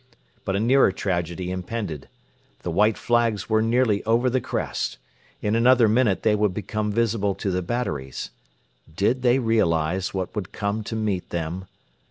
But a nearer tragedy impended. The 'White Flags' were nearly over the crest. In another minute they would become visible to the batteries. Did they realise what would come to meet them?